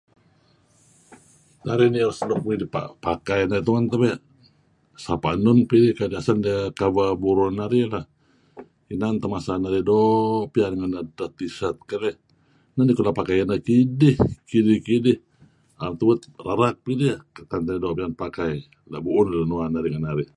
Narih [unintelligible] nuk tu'en pakai narih tebe' sapa' enun pidih asal idih kereb cover burur narih lah inan teh masa narih doo' piyan ngan edtah t-shirt keleh neh nikoh pakai idih kidih-kidih am tabuut rerak pidih keteng teh pakai. La' bu'uh lun uwan narih ngan narih.